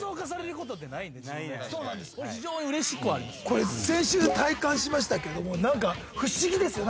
これ先週体感しましたけどもなんか不思議ですよ。